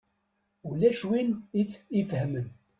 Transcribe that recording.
Ulac win i t-ifehmen.